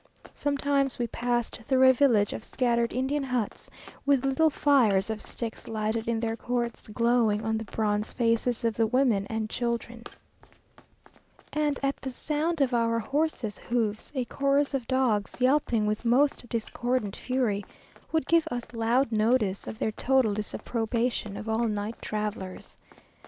Sometimes we passed through a village of scattered Indian huts, with little fires of sticks lighted in their courts, glowing on the bronze faces of the women and children; and at the sound of our horses' hoofs, a chorus of dogs, yelping with most discordant fury, would give us loud notice of their total disapprobation of all night travellers.